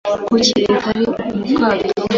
Kuki utari mu bwato?